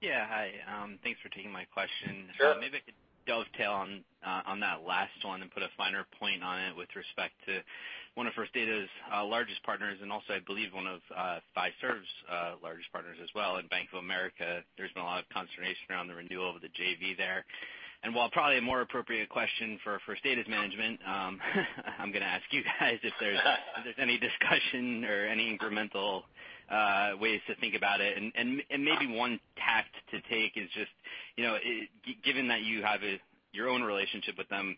Yeah, hi. Thanks for taking my question. Sure. Maybe I could dovetail on that last one and put a finer point on it with respect to one of First Data's largest partners, also, I believe one of Fiserv's largest partners as well in Bank of America. There's been a lot of consternation around the renewal of the JV there. While probably a more appropriate question for First Data's management I'm going to ask you guys if there's any discussion or any incremental ways to think about it. Maybe one tact to take is just, given that you have your own relationship with them,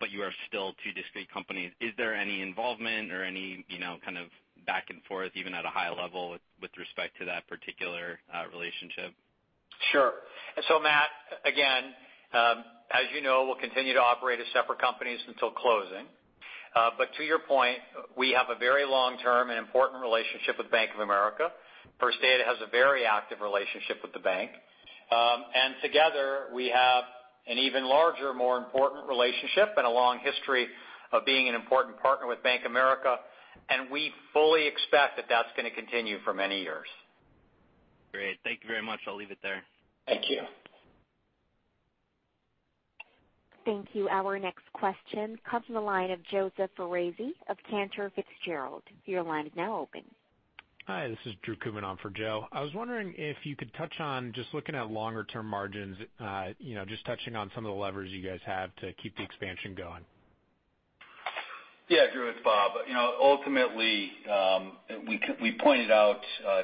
but you are still two discrete companies, is there any involvement or any kind of back and forth, even at a high level with respect to that particular relationship? Sure. Matt, again, as you know, we'll continue to operate as separate companies until closing. To your point, we have a very long-term and important relationship with Bank of America. First Data has a very active relationship with the bank. Together, we have an even larger, more important relationship and a long history of being an important partner with Bank of America, and we fully expect that's going to continue for many years. Great. Thank you very much. I'll leave it there. Thank you. Thank you. Our next question comes from the line of Joseph Foresi of Cantor Fitzgerald. Your line is now open. Hi, this is Drew Kootman on for Joe. I was wondering if you could touch on just looking at longer term margins, just touching on some of the levers you guys have to keep the expansion going? Yeah, Drew, it's Bob. Ultimately, we pointed out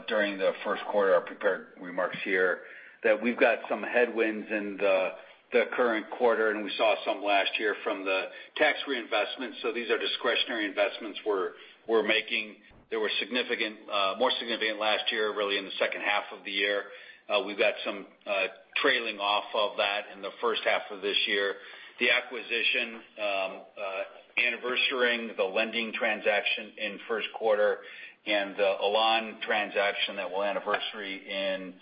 during the first quarter, our prepared remarks here, that we've got some headwinds in the current quarter, and we saw some last year from the tax reinvestment. These are discretionary investments we're making. They were more significant last year, really in the second half of the year. We've got some trailing off of that in the first half of this year. The acquisition, anniversaring the lending transaction in first quarter and the Elan transaction that will anniversary in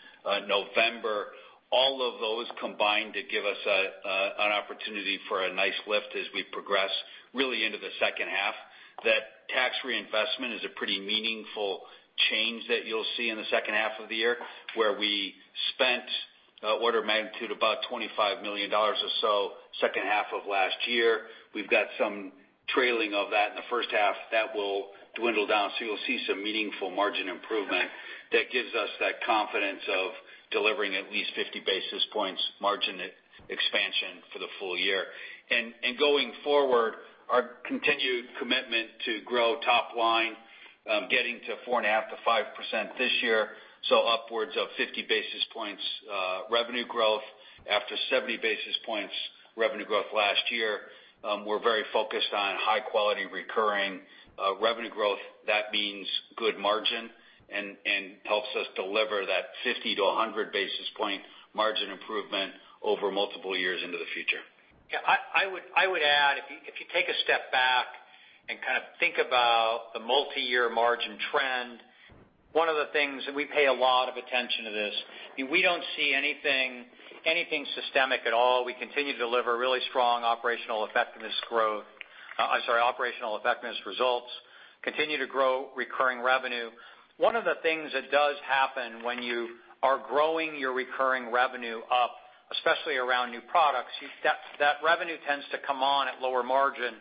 November. All of those combine to give us an opportunity for a nice lift as we progress really into the second half. That tax reinvestment is a pretty meaningful change that you'll see in the second half of the year, where we spent order of magnitude about $25 million or so second half of last year. We've got some trailing of that in the first half that will dwindle down. You'll see some meaningful margin improvement that gives us that confidence of delivering at least 50 basis points margin expansion for the full-year. Going forward, our continued commitment to grow top line, getting to 4.5%-5% this year. Upwards of 50 basis points revenue growth after 70 basis points revenue growth last year. We're very focused on high-quality recurring revenue growth. That means good margin and helps us deliver that 50-100 basis point margin improvement over multiple years into the future. Yeah, I would add, if you take a step back and kind of think about the multi-year margin trend, one of the things that we pay a lot of attention to this, we don't see anything systemic at all. We continue to deliver really strong operational effectiveness results, continue to grow recurring revenue. One of the things that does happen when you are growing your recurring revenue up, especially around new products, that revenue tends to come on at lower margin,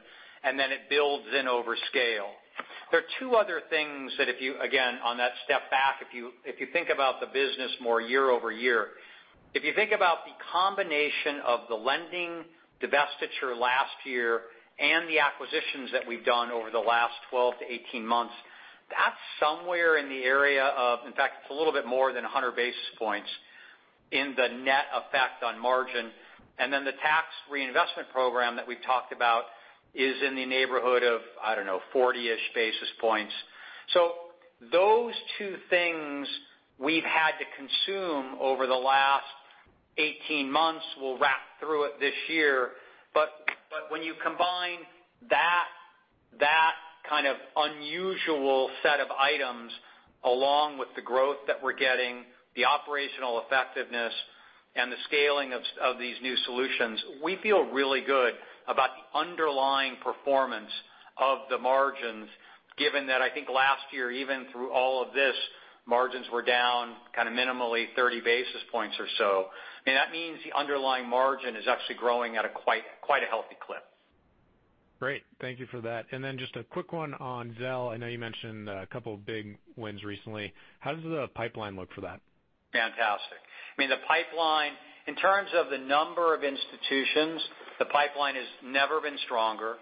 and then it builds in over scale. There are two other things that if you, again, on that step back, if you think about the business more year-over-year. If you think about the combination of the lending divestiture last year and the acquisitions that we've done over the last 12-18 months, that's somewhere in the area of, in fact, it's a little bit more than 100 basis points in the net effect on margin. The tax reinvestment program that we've talked about is in the neighborhood of, I don't know, 40-ish basis points. Those two things we've had to consume over the last 18 months. We'll wrap through it this year. When you combine that kind of unusual set of items along with the growth that we're getting, the operational effectiveness, and the scaling of these new solutions, we feel really good about the underlying performance of the margins, given that I think last year, even through all of this, margins were down kind of minimally 30 basis points or so. That means the underlying margin is actually growing at a quite healthy clip. Great, thank you for that. Just a quick one on Zelle. I know you mentioned a couple of big wins recently. How does the pipeline look for that? Fantastic. In terms of the number of institutions, the pipeline has never been stronger.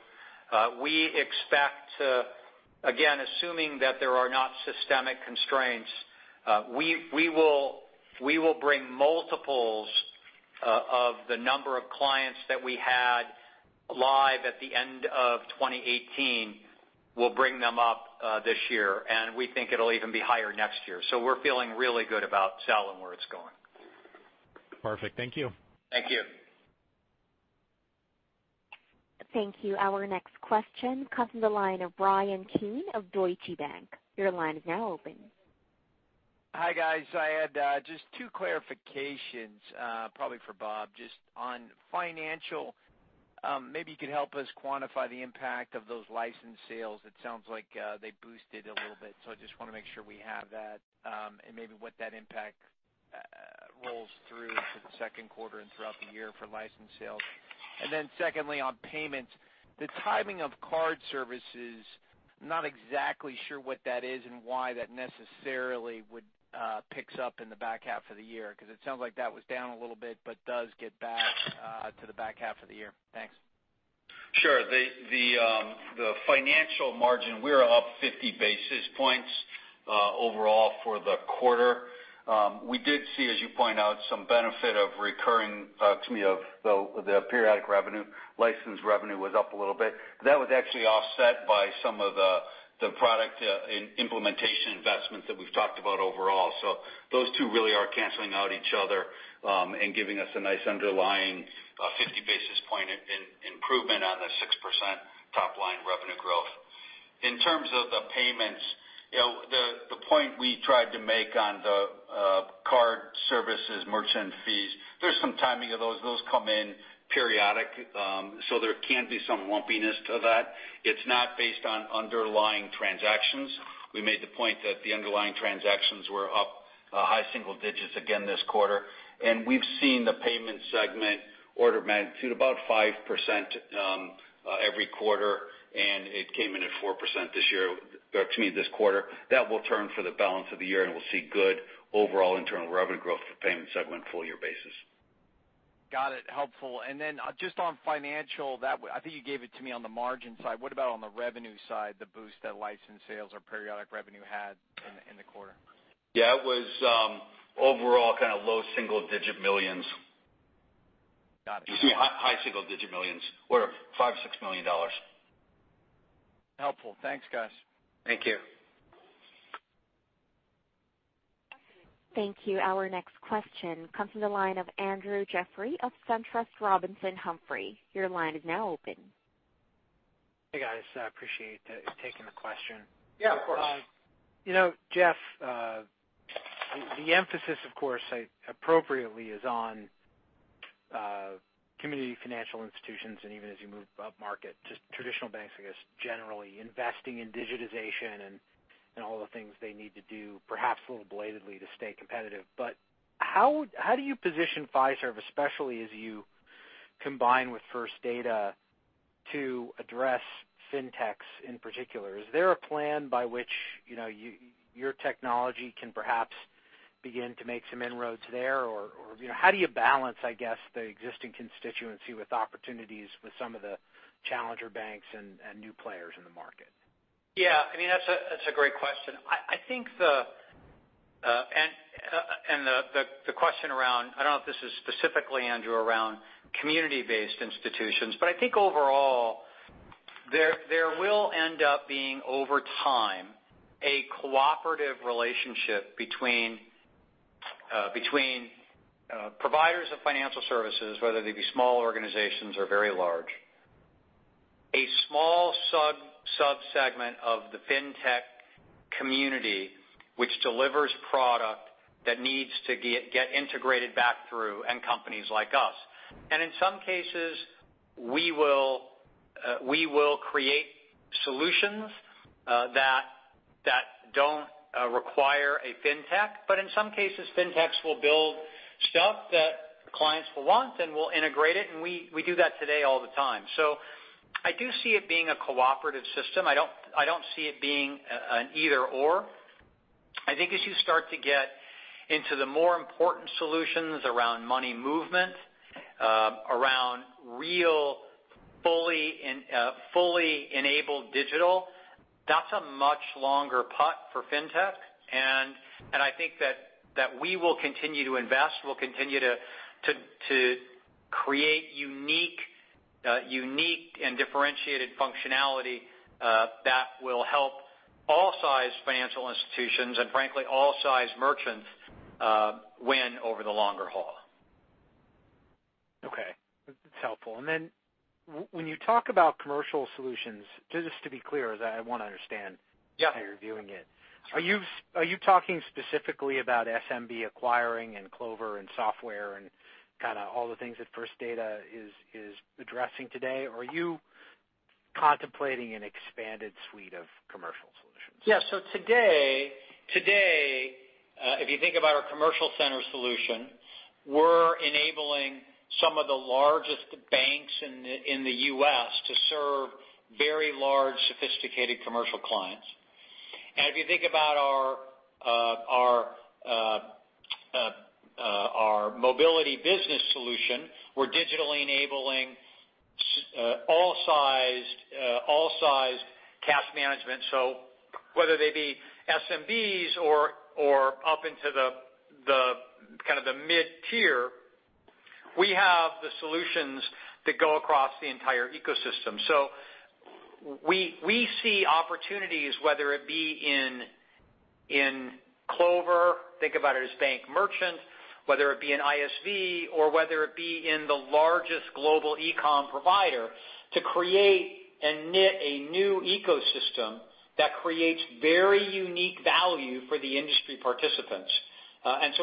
We expect to, again, assuming that there are not systemic constraints, we will bring multiples of the number of clients that we had live at the end of 2018. We'll bring them up this year, and we think it'll even be higher next year. We're feeling really good about Zelle and where it's going. Perfect. Thank you. Thank you. Thank you. Our next question comes from the line of Bryan Keane of Deutsche Bank. Your line is now open. Hi guys. I had just two clarifications probably for Bob, just on financial. Maybe you could help us quantify the impact of those license sales. It sounds like they boosted a little bit. I just want to make sure we have that, and maybe what that impact rolls through to the second quarter and throughout the year for license sales. Secondly, on payments, the timing of card services, not exactly sure what that is and why that necessarily picks up in the back half of the year because it sounds like that was down a little bit but does get back to the back half of the year. Thanks. Sure. The financial margin, we are up 50 basis points overall for the quarter. We did see, as you point out, some benefit of the periodic revenue. License revenue was up a little bit. That was actually offset by some of the product implementation investments that we've talked about overall. Those two really are canceling out each other and giving us a nice underlying 50 basis point improvement on the 6% top-line revenue growth. In terms of the payments, the point we tried to make on the card services merchant fees, there's some timing of those. Those come in periodic so there can be some lumpiness to that. It's not based on underlying transactions. We made the point that the underlying transactions were up high single digits again this quarter. We've seen the payment segment order magnitude about 5% every quarter, and it came in at 4% this quarter. That will turn for the balance of the year, and we'll see good overall internal revenue growth for the payment segment full-year basis. Got it, helpful. Just on financial, I think you gave it to me on the margin side. What about on the revenue side, the boost that license sales or periodic revenue had in the quarter? Yeah, it was overall kind of low single-digit millions. Got it. Excuse me, high single-digit millions or $5 million or $6 million. Helpful. Thanks, guys. Thank you. Thank you. Our next question comes from the line of Andrew Jeffrey of SunTrust Robinson Humphrey. Your line is now open. Hey, guys, I appreciate taking the question. Yeah, of course. Jeff, the emphasis, of course, appropriately is on community financial institutions and even as you move up market, just traditional banks, I guess, generally investing in digitization and all the things they need to do, perhaps a little belatedly to stay competitive. How do you position Fiserv, especially as you combine with First Data to address Fintechs in particular? Is there a plan by which your technology can perhaps begin to make some inroads there? How do you balance, I guess, the existing constituency with opportunities with some of the challenger banks and new players in the market? Yeah, that's a great question. I don't know if this is specifically, Andrew, around community-based institutions. I think overall, there will end up being, over time, a cooperative relationship between providers of financial services, whether they be small organizations or very large. A small sub-segment of the Fintech community which delivers product that needs to get integrated back through and companies like us. In some cases, we will create solutions that don't require a Fintech. In some cases, Fintechs will build stuff that clients will want, and we'll integrate it. We do that today all the time. I do see it being a cooperative system. I don't see it being an either/or. I think as you start to get into the more important solutions around money movement, around real, fully enabled digital, that's a much longer putt for Fintech. I think that we will continue to invest, we'll continue to create unique and differentiated functionality that will help all size financial institutions and frankly, all size merchants win over the longer haul. Okay, that's helpful. Then when you talk about commercial solutions, just to be clear, as I want to understand how you're viewing it. Are you talking specifically about SMB acquiring and Clover and software and kind of all the things that First Data is addressing today? Or are you contemplating an expanded suite of commercial solutions? Yeah. Today, if you think about our Commercial Center solution, we're enabling some of the largest banks in the U.S. to serve very large, sophisticated commercial clients. If you think about our Mobiliti Business solution, we're digitally enabling all sized cash management. Whether they be SMBs or up into the mid-tier, we have the solutions that go across the entire ecosystem. We see opportunities, whether it be in Clover, think about it as bank merchant, whether it be in ISV, or whether it be in the largest global e-com provider, to create and knit a new ecosystem that creates very unique value for the industry participants.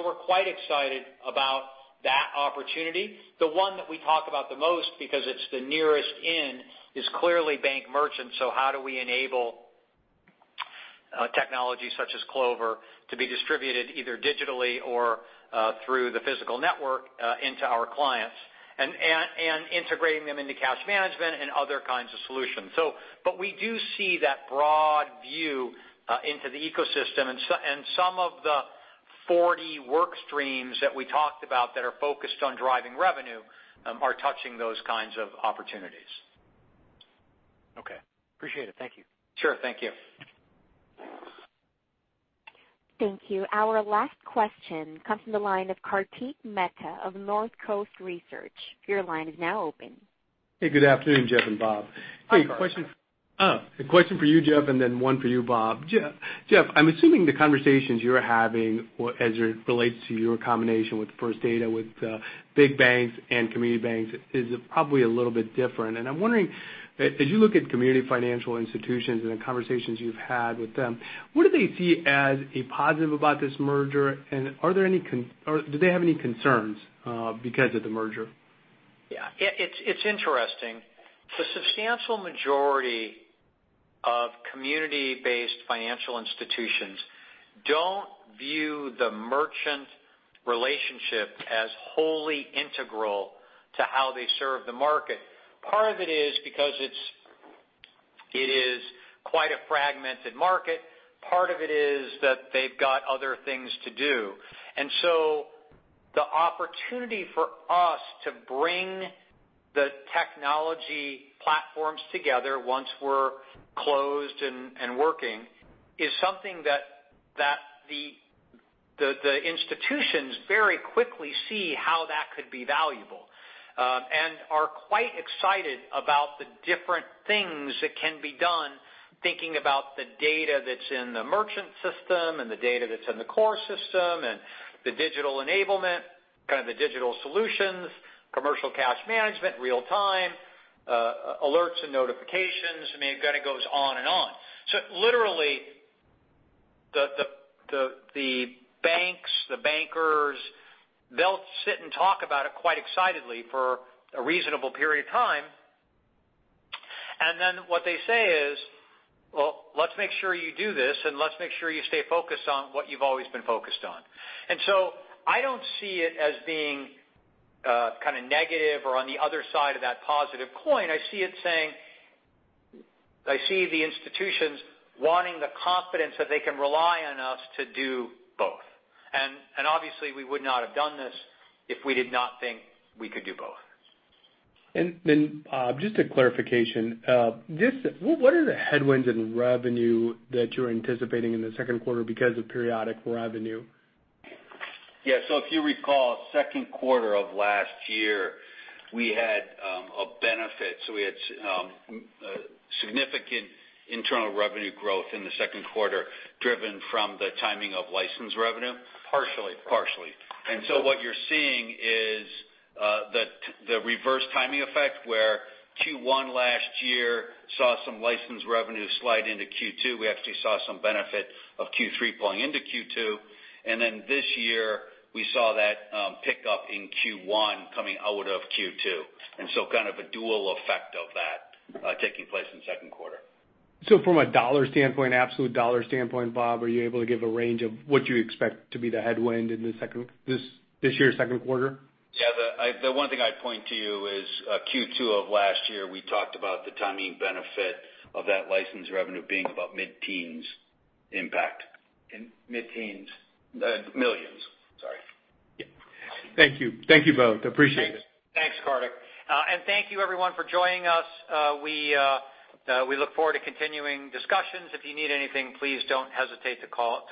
We're quite excited about that opportunity. The one that we talk about the most, because it's the nearest in, is clearly bank merchant. How do we enable technology such as Clover to be distributed either digitally or through the physical network into our clients. Integrating them into cash management and other kinds of solutions. We do see that broad view into the ecosystem and some of the 40 work streams that we talked about that are focused on driving revenue are touching those kinds of opportunities. Okay, appreciate it. Thank you. Sure. Thank you. Thank you. Our last question comes from the line of Kartik Mehta of Northcoast Research. Your line is now open. Hey, good afternoon, Jeff and Bob. Hi, Kartik. A question for you, Jeff, and then one for you, Bob. Jeff, I'm assuming the conversations you're having as it relates to your combination with First Data with big banks and community banks is probably a little bit different. I'm wondering, as you look at community financial institutions and the conversations you've had with them, what do they see as a positive about this merger? Do they have any concerns because of the merger? Yeah, it's interesting. The substantial majority of community-based financial institutions don't view the merchant relationship as wholly integral to how they serve the market. Part of it is because it is quite a fragmented market, part of it is that they've got other things to do. The opportunity for us to bring the technology platforms together once we're closed and working is something that the institutions very quickly see how that could be valuable. Are quite excited about the different things that can be done, thinking about the data that's in the merchant system and the data that's in the core system and the digital enablement, kind of the digital solutions, commercial cash management, real time alerts and notifications. I mean, it goes on and on. literally, the banks, the bankers, they'll sit and talk about it quite excitedly for a reasonable period of time. What they say is, "Well, let's make sure you do this, and let's make sure you stay focused on what you've always been focused on." I don't see it as being kind of negative or on the other side of that positive coin. I see the institutions wanting the confidence that they can rely on us to do both. Obviously we would not have done this if we did not think we could do both. Bob, just a clarification. What are the headwinds in revenue that you're anticipating in the second quarter because of periodic revenue? Yeah. If you recall, second quarter of last year, we had a benefit. We had significant internal revenue growth in the second quarter driven from the timing of license revenue. Partially. Partially. What you're seeing is the reverse timing effect, where Q1 last year saw some license revenue slide into Q2. We actually saw some benefit of Q3 pulling into Q2, and this year, we saw that pick up in Q1 coming out of Q2. Kind of a dual effect of that taking place in the second quarter. From a dollar standpoint, absolute dollar standpoint, Bob, are you able to give a range of what you expect to be the headwind in this year's second quarter? Yeah. The one thing I'd point to you is Q2 of last year, we talked about the timing benefit of that license revenue being about mid-teens impact. Mid-teens? Millions, I'm sorry. Yeah, thank you both. Appreciate it. Thanks, Kartik. Thank you everyone for joining us. We look forward to continuing discussions. If you need anything, please don't hesitate to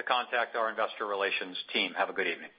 contact our investor relations team. Have a good evening.